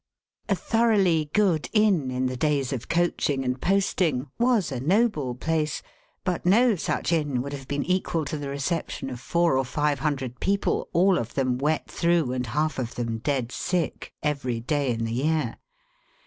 A thoroughly good inn, in the days of coaching and posting, was a noble place. But no such inn would have been equal to the reception of four or five hundred people, all of them wet through, and half of them dead sick, every day in the year.